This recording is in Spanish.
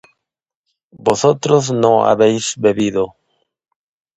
vosotros no habéis bebido